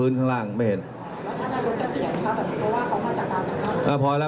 จากธนาคารกรุงเทพฯ